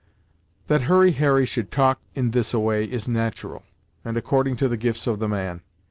"That Hurry Harry should talk in this a way, is nat'ral, and according to the gifts of the man.